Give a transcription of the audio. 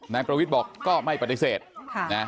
นายประวิทย์บอกก็ไม่ปฏิเสธค่ะนะ